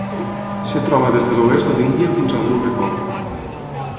Es troba des de l'oest de l'Índia fins al riu Mekong.